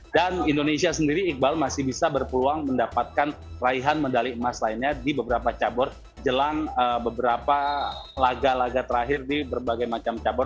dan indonesia sendiri iqbal masih bisa berpeluang mendapatkan raihan medali emas lainnya di beberapa cabur jelang beberapa laga laga terakhir di berbagai macam cabur